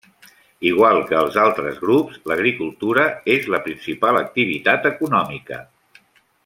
Igual que els altres grups, l'agricultura és la principal activitat econòmica.